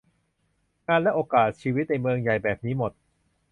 งานและโอกาสชีวิตอยู่ในเมืองใหญ่แบบนี้หมด